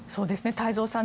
太蔵さん